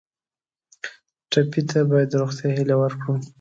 ټپي ته باید د روغتیا هیله ورکړو.